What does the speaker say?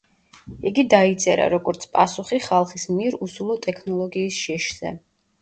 იგი დაიწერა, როგორც პასუხი ხალხის მიერ „უსულო ტექნოლოგიის“ შიშზე.